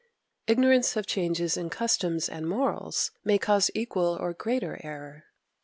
Ignorance of changes in customs and morals may cause equal or greater error.